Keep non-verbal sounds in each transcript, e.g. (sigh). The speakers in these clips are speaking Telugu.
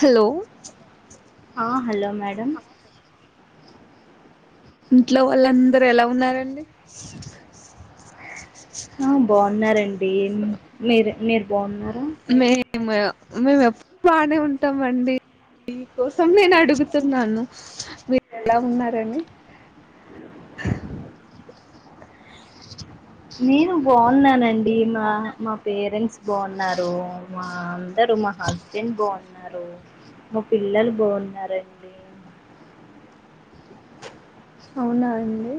హలో ఆ హలో మేడం ఇంట్లో వాళ్ళందరు ఎలా ఉన్నారండి ఆ బాగున్నారండి అ మీరు మీరు బాగున్నారా మేము మేము ఎప్పుడు బానే ఉంటామ అండి మీ కోసం నేను అడుగుతున్నాను మీరు ఎలా ఉన్నారని నేను బాగున్నానండి మా మా పేరెంట్స్ బాగున్నారు మా అందరు మా హస్బెండ్ బాగున్నారు మా పిల్లలు బాగున్నారండి అవునా అండి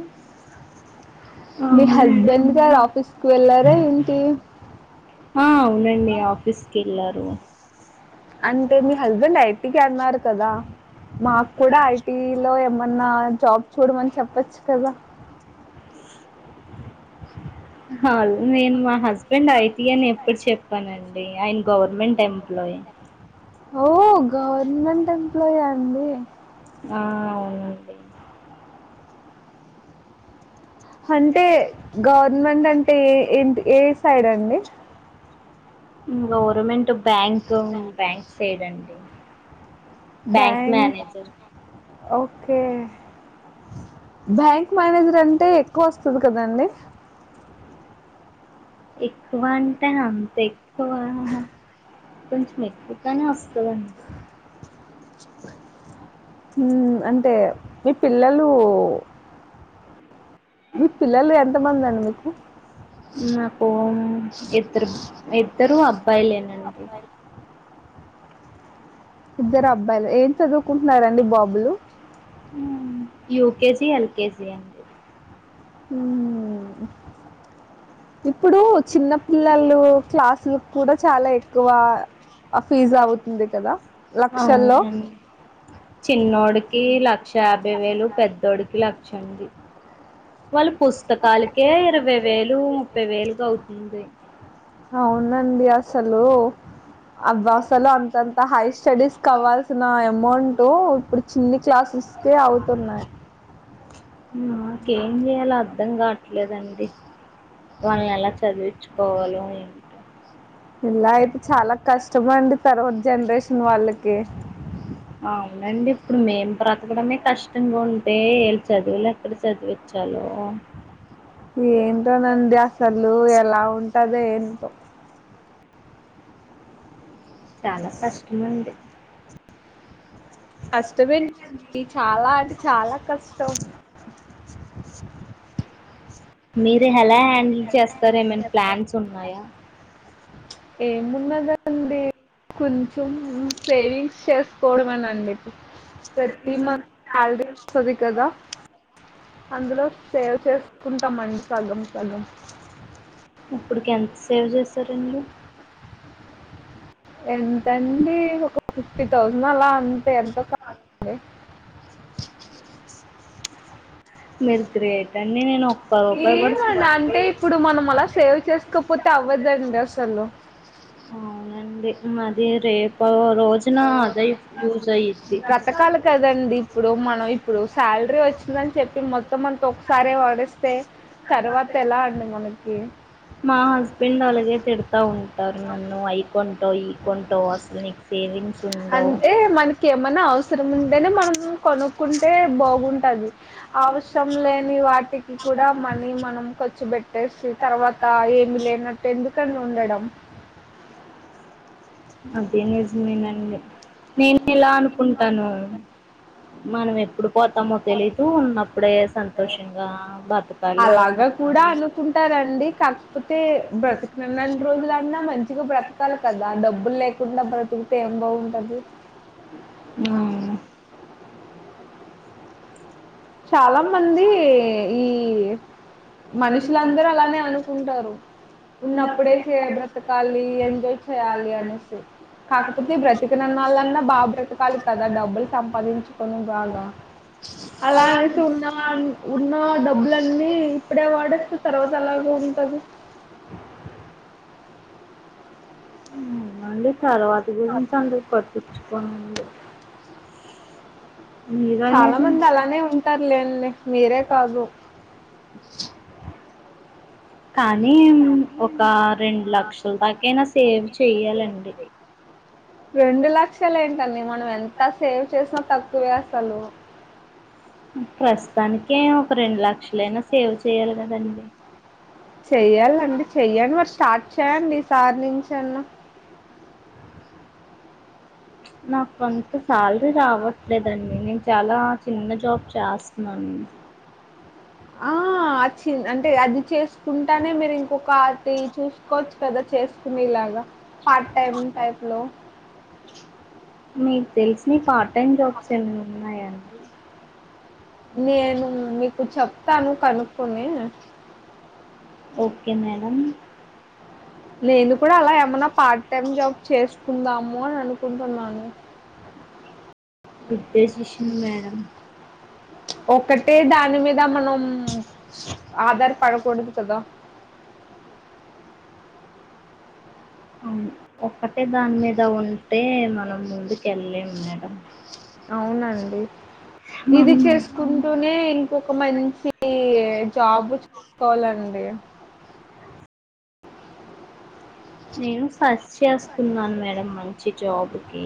మీ అవునండి హస్బెండ్ గారు ఆఫీస్ కు వెళ్లారా ఏంటి ఆ అవునండి ఆఫీస్కి వెళ్ళారు అంటే మీ హస్బెండ్ ఐటీఐ అన్నారు కదా మాకు కూడా ఐటీలో ఎం జాబ్ చూడమని చెప్పచ్చు కదా నేను మా హస్బెండ్ ఐటి అని ఎప్పుడు చెప్పానండి ఆయన గవర్నమెంట్ ఎంప్లాయీ ఓ గవర్నమెంట్ అ ఎంప్లాయ్ ఆ అండి ఆ అవునండి అంటే గవర్నమెంట్ అంటే ఏంటి ఏ సైడ్ అండి గవర్నమెంట్ బ్యాంక్ బ్యాంక్ సైడ్ అండి బ్యాంక్ ఓకే బ్యాంక్ మేనేజర్ అంటే ఎక్కువ వస్తుంది కదండి ఎక్కువంటే అంతే (unintelligible) కొంచెం ఎక్కువగానే వస్తదండి హూ అంటే మీ పిల్లలు మీకు పిల్లలు ఎంతమంది అండి మీకు నాకు ఇద్దరు ఇద్దరు అబ్బాయిలేనండి ఇద్దరు అబ్బాయిలే ఏం చదువుకుం కుంటున్నారు అండి బాబులు యుకెజి ఎల్కెజి అండి హూ హు ఇప్పుడు చిన్న పిల్లలు క్లాసులు కూడా చాలా ఎక్కువ ఫీజు అవుతుంది కదా లక్షల్లో అవునండి చిన్నోడికి లక్ష యాభై వేలు లక్ష అండి వాళ్ళు పుస్తకాలకే ఇరవై వేలు ముప్పై వేలుగా అవుతుంది అవునండి అసలు అవ్వి అసలు అంతంత హై స్టడీస్ కావవాల్సిన అమౌంట్ ఇప్పుడు చిన్ని క్లాసెస్ కే అవుతున్నాయి నాకేం చేయాలో అర్ధం కావట్లేదండి వాళ్ళని ఎలా చదివిచ్చు కోవాలో ఏంటో ఇలా అయితే చాలా కష్ కష్టమండి తర్వాత జనరేషన్ వాళ్ళకి అండి ఇప్పుడు మేము బ్రతకడమే కష్టంగా ఉంటే వీళ్ళు చదువులు ఎక్కడ చదివిచ్చాలో ఏం ఏంటో నండి అసలు ఎలా ఉంటదో ఏంటో చాలా కష్టం అండి కష్టమేండి చాలా అంటే చాలా కష్టం మీరు హెలా హ్యాండిల్ చేస్త చేస్తారు ఏమైనా ప్లాన్స్ ఉన్నాయా ఏ మున్నదండి. కొంచెం సేవింగ్స్ చేసుకోవడంమనండి ఇ ప్రతి మంత్ సాలరీ వస్తుంది కదా అందులో సేవ్ చేసుకుంటామ అండి సగం సగం ఇప్పుడుకి ఎంత సేవ్ చేసరండి. ఎంతండి ఒక ఫిఫ్టీ థౌసండ్ అలా అంతే ఎంత కాండి మీరు గ్రేట్ అండి నేను రూపాయి కూడా ఏమండి సేవ్- అంటే ఇప్పుడు మనం అలా సేవ్ చేసుకోపోతే అవ్వద్దండి అసలు అవునండి మాది రేపు రోజున అదే యూజ్ అయ్యిద్ది బతకాలి కదండి ఇప్పుడు మనం ఇప్పుడు శాలరీ వచ్చిందని చెప్పి మొత్తం మన మొత్తం అంత ఒకసారే వడే మా హస్బెండ్ అలాగే తిడతా ఉంటారు నన్ను అయి కొంటావ్ ఈ కొంటావ్ అసలు నీకు సేవింగ్స్ ఉండవు అంటే మనకి ఏమైనా అవసరం ఉంటేనే మనం కొనుక్కుంటే బాగుంటది అవసరం లేని వాటికి కూడా మనీ మనం ఖర్చు పెట్ట్ట పేట్టేసి తర్వాత ఏమి లేనట్టు ఎందుకని ఉండడం. అదే నిజమేనండి నేను ఇలా అనుకుంటాను మనం ఎప్పుడు పోతామో తెలీదు ఉన్నప్పుడే సంతోషంగా బతకాలి. ారండి కాకపోతే బ్రతకి నన్ని రోజులన్నా మంచిగా బ్రతకాలి కదా డబ్బులు లే (unintelligible) ఏం బాగుంటది చాలా మంది ఈ మనుషులందరూ అలానే అనుకుంటారు. ఉన్నప్పుడే చే బ్రతకాలి ఎంజాయ్ చేయాలి అనేసి కాకపోతే బ్రతికననాలన్నా బాగా బ్రతకాలి కదా డబ్బులు సంపాదించుకొని బాగా అలా అనేసి ఉన్న ఉన్న డబ్బులన్నీ ఇప్పుడే వాడేస్తే తర్వాత అలాగే ఉంటది. ఉ అండి తర్వాత గురించి అందరు పట్టించుకోనండి. చాలా మీరనేది మంది అలానే ఉంటారు లేని మీరే కాదు కా కానీ ఒక రెండు లక్షల దాకైనా సేవ్ చెయ్యాలండి. రెండు లక్షలే ఏంటండి మనం ఎంత సేవ్ చేసినా తక్కువే అసలు ప్రస్తుతానిక ఒక రెండు లక్షలైనా సేవ్ చే చేయాలగాదండి. చెయ్యాలండి చెయ్యడి మరి స్టార్ట్ చెయ్యండి ఈసారి నుంచి అన్న నా కొంత శాలరీ రావట్లేదండి నేను చాలా చిన్న జాబ్ చేస్తున్నాను. ఆ అ చి అంటే అది చేసుకుంటానే మీరు ఇంకొక అది చూసుకోవచ్చు కదా చేసుకునేలాగా పార్ట్ టైమ్ టైప్ లో మీకు తెలిసిన పార్ట్ టైం జాబ్స్ ఏమైనా ఉన్నాయాండి నేను మీకు చెప్తాను కనుక్కోని. Okay madam. నేను కూడా అలా ఏమన్నా పార్ట్ టైమ్ జాబ్ చేసుకుందాము అని అనుకుంటున్నాను. Good decision madam. ఒకటే దాని మీద మనం ఆధారపడకూడదు కదా. అవును ఒక్కటే దాని మీద ఉంటే మనం ముందుకెళ్ళలేం మేడం. అవునండి. ఇది మనం చేసుకుంటూనే ఇంకొక మంచి జాబు చేసుకోవాలండి. నేను సర్చ్ చేస్తున్నాను మేడం మంచి జాబ్ ఊ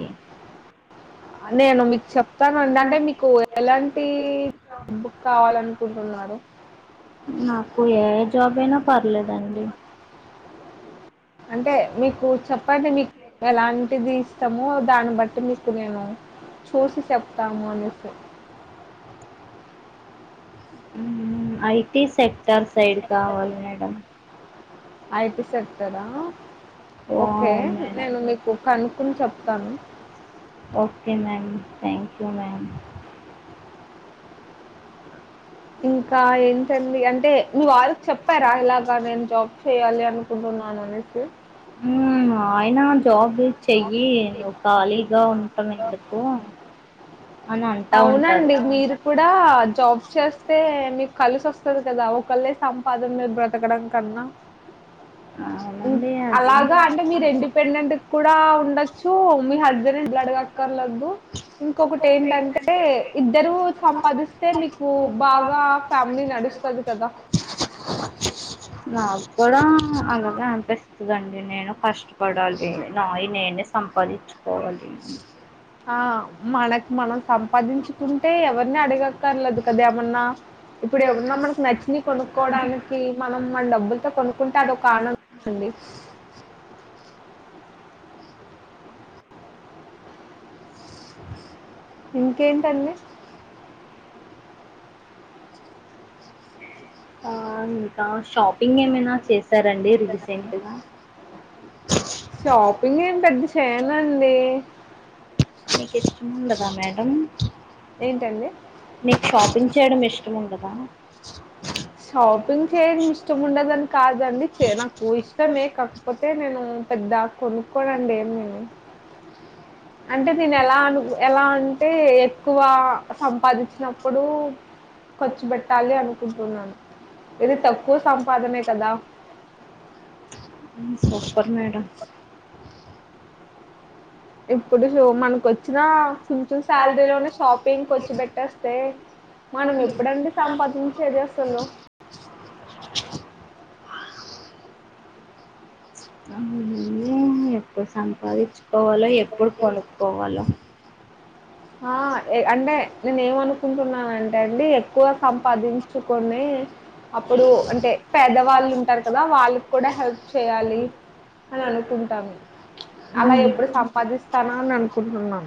నేను మీకు చెప్తానండి. అంటే మీకు ఎలాంటి బుక్ కావాలనుకుంటున్నారు? నాకు ఏ జాబ్ అయినా పర్లేదండి. అంటే మీకు చెప్పండి మీకు ఎలాంటిది ఇస్తామో దాన్ని బట్టి మీకు నేను చూసి చెప్తాము అనేసి ఊ అయి ఐ టీ సెక్టార్ సైడ్ కావాలి మేడం ఐటి సెక్టరా ఓ ఓకే అవును మేడం నేను మీకు కనుకోని చెప్తాను. యు మేడమ్ ఇంకా ఏంటండి అంటే మీ వారికి చెప్పారా? ఇలాగా నేను జాబ్ చేయాలి అనుకుంటున్నాననేసి. ఊ ఆయన జాబ్ చెయ్యి నువ్వు ఖాళీగా ఉంటం ఎందుకు. అని అంటా ఉంటారు అవునండి మీరు కూడా జాబ్ చేస్ స్తే మీకు కలిసి వస్తుంది కదా ఒకల్లె సంపాది బ్రతకడం కన్నా హ్మ్. అవునండి అది అలాగా అంటే మీరు ఇండిపెండెంట్ కూడా ఉండొచ్చు. మీ హస్బెండ్‌ని డబ్బులు అడగక్కర్లేదు. ఇంకొకటేంటంటే ఇద్దరూ సంపాదిస్తే మీకు బాగా ఫ్యామిలీ నడుస్తది కదా! కద నా కూడా అలాగే అనిపిస్తుదండి. నేను కష్టపడాలి నాయి నేనే సంపాదించుకోవాలి అని ఆ మనకు మనం సంపాదించుకుంటే ఎవరిని అడగక్కర్లేదు కదా ఏమన్నా ఇప్పుడు ఎమన్నా మనకు నచ్చిన కొనుక్కోవడానికి మనం మన డబ్బులతో కొనుక్కుంటే అదొక పాలండి ఇంకేంటండి ఆ షాపింగ్ ఏమైనా చేసారండి రీసెంట్గా షాపింగ్ ఏం పెద్ద చేయనండి. మీకు ఇష్టం ఉండదా మేడం ఏంటండి నీకు షాపింగ్ చేయడం ఇష్టం ఉండదా షాపింగ్ చేయడం ఇష్టం ఉండదని కాదండి నాకు ఇష్టమే కాకపోతే తే నేను పెద్ద కొనుక్కోనండి ఏం నేను అంటే తిను ఎలా అ ఎలా అంటే ఎక్కువ సంపాదించినప్పుడు ఖర్చు పెట్టాలి అనుకుంటున్నాను ఇది తక్కువ సంపాదనే కదా సూపర్ మేడం ఇప్పుడు షో మనకొ చ్చిన కొంచం శాలరీలోనే షాపింగ్కి ఖర్చు పెట్టేస్తే మనం ఎప్పుడండి సంపాదించేది అసలు ఎప్పుడు సంపా సంపాదించుకోవాలో ఎప్పుడు కొనుక్కోవాలో ఆ అంటే నేను ఏమనుకుంటున్నానంటే అండి ఎక్కువ సంపాదించుకొనే అప్పుడు అంటే పేదవాళ్ళు ఉంటారు కదా వాళ్ళకి కూడా హెల్ప్ చేయాలి అని అనుకుంటాను అలా ఎప్పుడు సంపాదిస్తానా అని అనుకుంటున్నా.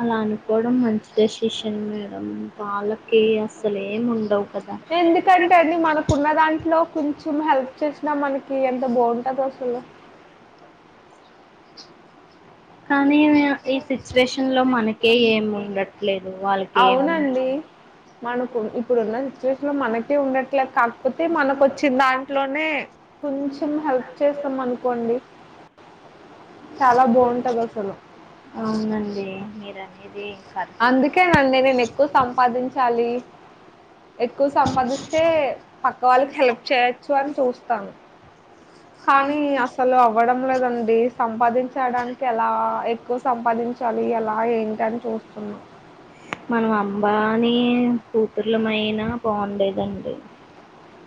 అలా అనుకోవడం మంచి డెసిషన్ మేడం వాళ్ళకి అసల్ ఏం ఉండవు కదా ఎందుకంటే అండి మనకున్న దాంట్లో కొంచెం హెల్ప్ చేసినా మనకి ఎంత బాగుంటదో అసలు కానీ ఈ సిచ్యువేషన్లో మనకే ఏం ఉండట్లేదు వాళ్లకేం అవునండి మనకు ఇప్పుడున్న సిచ్యువేషన్లో మనకే ఉండట్ ట్లే కాక పోతే మనకొచ్చిన్ దాంట్లోనే కొంచెం హెల్ప్ చేస్తాం అనుకోండి చాలా బాగుంటది అసలు అవునండి మీ (inaudible) అందుకేనండి నేను ఎక్కు సంపాదించాలి. ఎక్కువ సంపాదిస్తే పక్క వాళ్ళకి హెల్ప్ చేయొచ్చు అని చూస్తా. కానీ అసలు అవ్వడం లేదండి. సంపాదించడానికి ఎలా ఎక్కువ సంపాదించాలి ఎలా ఏంటి అని చూస్తున్నా నీ కూతురులమయి బాగుండేదండి.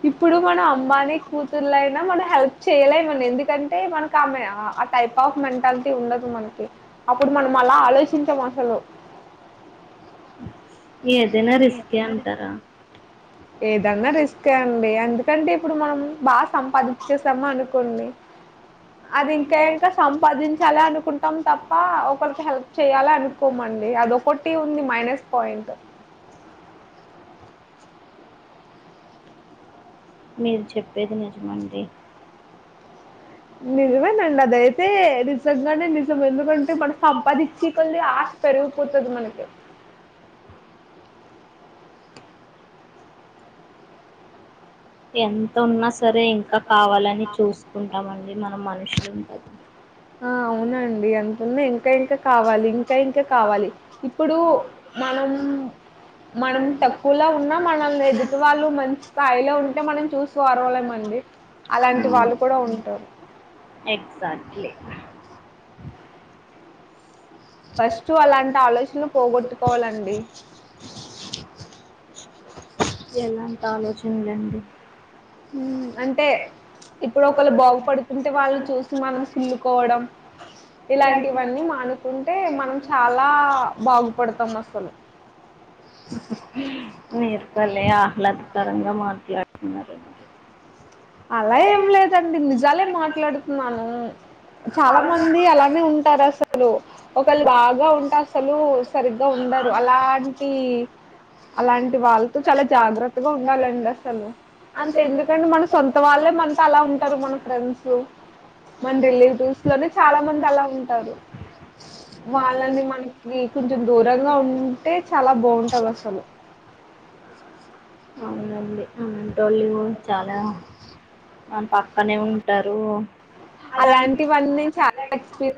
ఇప్పుడు మనం అంబాని కూతుర్లయినా మనం హెల్ప్ చేయలే మని ఎందుకంటే మనకి ఆ మెంట్ ఆ టైప్ ఆఫ్ మెంటాలిటీ ఉండదు మనకి అప్పుడు మనం అలా ఆలోచించం అసలు ఏదైనా రిస్కే అంటారా ఏదన్న రిస్కే అండి ఎందుకంటే ఇప్పుడు మనం బాగా సంపాదించేసాము అనుకోండి అది ఇంకా ఇంకా సంపాదించాలి అనుకుంటాం తప్ప ఒకరికి హెల్ప్ చేయాలి అనుకోమండి అది ఒకటి ఉంది మైనస్ పాయింట్ మీరు చెప్పేది నిజమండి నిజమేనండి అదయితే నిజంగానే నిజం ఎందుకంటే మనం సంపాదించే కొలది ఆశ పెరిగిపోతది మనకి ఎం త ఉన్నా సరే ఇంకా కావాలని చూసుకుంటాము అండి మనం మనుషులు ఆ అవునండి ఎంతఉన్న ఇంకా ఇంకా కావాలి ఇంకా ఇంకా కావాలి ఇప్పుడు మనం మనం తక్కువలో ఉన్నా మనల్ని ఎదుటి వాళ్ళు మంచి స్థాయిలో ఉంటే మనం చూసి ఒర్వలేమండి అలాంటి వాళ్ళు కూడా ఉంటారు. ఎగ్జాక్ట్లీ ఫస్ట్ అలాంటి ఆలోచనలు పోగొట్టుకోవాలండి ఎలాంటి ఆలోచనలేడి అంటే ఇప్పుడు ఒకరు బాగుపడుతుంటే వాళ్ళు చూసి మనం కుళ్లుుకోవడం ఇలాంటివన్నీ మానుకుంటే అ మనం చాలా బాగుపడతాం అసలు ఏర్కాల ఆహ్లాదకరంగా మాట్లాడుతున్నారు అలా ఏం లేదండి నిజాలే మాట్లాడుతున్నాను చాలా మంది అలానే ఉంటారు అసలు ఒకళు బాగా ఉంటే అసలు సరిగ్గా ఉండరు ఒకలు బాగా ఉంటే అసలు సరిగా ఉండరు అలాంటి అలాంటి వాళ్ళతో చాలా జాగ్రత్తగా ఉండాలండి అసలు అంతే ఎందుకంటే మనసు సొంత వాళ్ళే మనతో అలా ఉంటారు మన ఫ్రెండ్స్ మన రిలేటివ్స్ లోనే చాలా మంది అలా ఉంటారు వాళ్ళని మనకి కొంచెం దూరంగా ఉంటే చాలా బాగుంటది అసలు అవునండి అవునూ టోళవు చాలా న పక్క పక్కనే ఉంటారు అ అలాంటివన్నీ చాలా ఎక్స్‌పీ చ